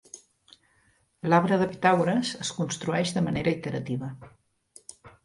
L'arbre de Pitàgores es construeix de manera iterativa.